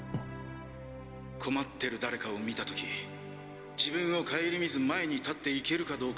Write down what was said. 困ってる誰かを見た時自分を顧みず前に立っていけるかどうか。